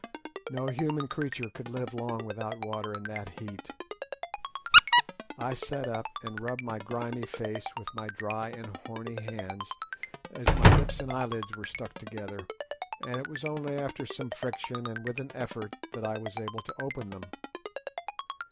No human creature could live long without water in that heat. I sat up and rubbed my grimy face with my dry and horny hands, as my lips and eyelids were stuck together, and it was only after some friction and with an effort that I was able to open them.